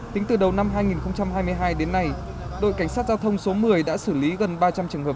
tính từ đầu năm hai nghìn hai mươi hai đến nay đội cảnh sát giao thông số một mươi đã xử lý gần ba trăm linh trường hợp